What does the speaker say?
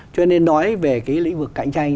cho nên nói về cái lĩnh vực cạnh tranh